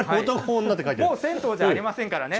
もう銭湯じゃありませんからね。